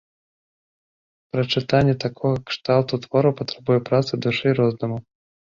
Прачытанне такога кшталту твораў патрабуе працы душы і роздуму.